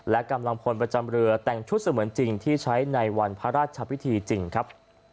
และกำลังพลประจำเรือแต่งชุดเสมือนจริงที่ใช้ในวันพระราชพิธีจริงครับ